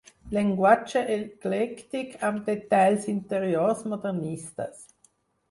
Llenguatge eclèctic amb detalls interiors modernistes.